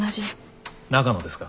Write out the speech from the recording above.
長野ですか？